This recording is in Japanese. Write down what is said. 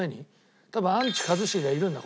多分アンチ一茂がいるんだ